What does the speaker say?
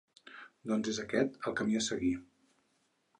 Doncs és aquest el camí a seguir!